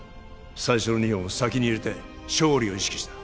最初の２本を先に入れて勝利を意識した